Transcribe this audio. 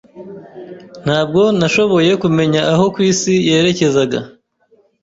Ntabwo nashoboye kumenya aho kwisi yerekezaga.